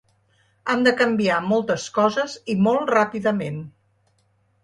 Han de canviar moltes coses i molt ràpidament.